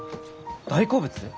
大好物？